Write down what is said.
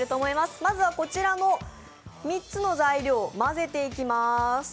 まずはこちらの３つの材料を混ぜていきます。